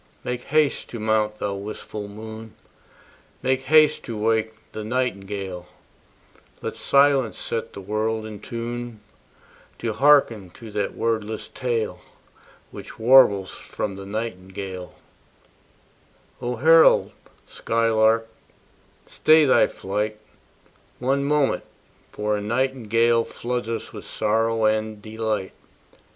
Make haste to mount, thou wistful moon, Make haste to wake the nightingale: Let silence set the world in tune To hearken to that wordless tale Which warbles from the nightingale O herald skylark, stay thy flight One moment, for a nightingale Floods us with sorrow and delight.